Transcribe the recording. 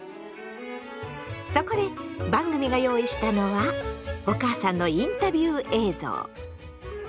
そこで番組が用意したのはお母さんのインタビュー映像。